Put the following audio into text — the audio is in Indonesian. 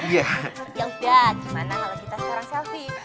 ya udah gimana kalau kita sekarang selfie